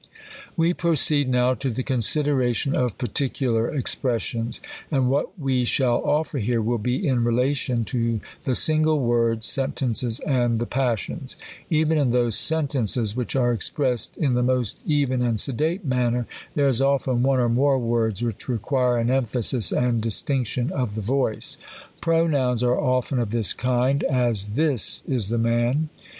We proceed now to the consideration of particular expressions. And what we shall offer here, w iil be in relation to the single words, sentences, and the pas sions. Even in those sentences which are expressed in the most even and sedate manner, there is often one or more words which require an emphasis and distinc tion of the voice. Pronouns are often of this kind : as^ this is the man.